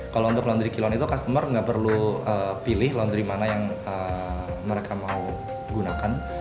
kalau untuk laundry kilon itu customer nggak perlu pilih laundry mana yang mereka mau gunakan